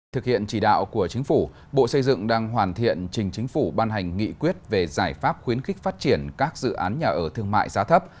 thực hiện chỉ đạo của chính phủ bộ xây dựng đang hoàn thiện trình chính phủ ban hành nghị quyết về giải pháp khuyến khích phát triển các dự án nhà ở thương mại giá thấp